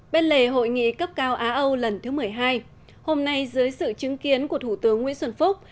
bên lề hội nghị cấp cao á âu lần thứ một mươi hai hôm nay dưới sự chứng kiến của thủ tướng nguyễn xuân phúc